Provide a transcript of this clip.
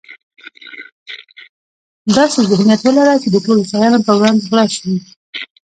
داسې ذهنيت ولره چې د ټولو شیانو په وړاندې خلاص وي.